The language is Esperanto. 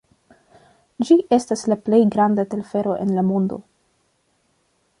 Ĝi estas la plej granda telfero en la mondo.